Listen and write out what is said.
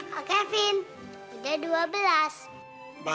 kak kevin udah dua belas